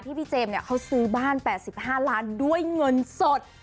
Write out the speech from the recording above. พี่เจมส์เขาซื้อบ้าน๘๕ล้านด้วยเงินสด